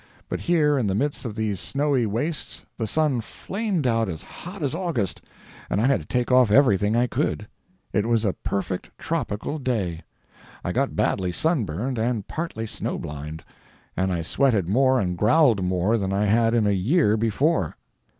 But here in the midst of these snowy wastes the sun flamed out as hot as August, and I had to take off everything I could. It was a perfect tropical day. I got badly sunburned, and partly snow blind, and I sweated more and growled more than I had in a year before.